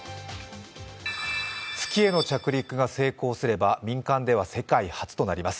月への着陸が成功すれば民間では世界初となります。